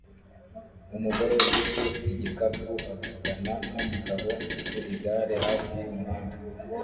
Umugore ufite igikapu avugana numugabo ku igare hafi yumuhanda